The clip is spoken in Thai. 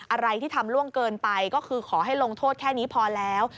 อะไรที่ทำล่วงเกินไปก็คือขอให้ลงโทษแค่นี้พอแล้ว